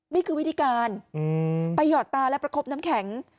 นี่คือวิธีการไปหยอดตาและประคบน้ำแข็ง